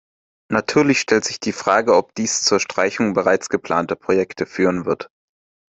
Natürlich stellt sich die Frage, ob dies zur Streichung bereits geplanter Projekte führen wird.